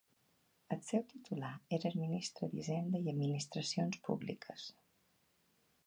El seu titular era el ministre d'Hisenda i Administracions Públiques.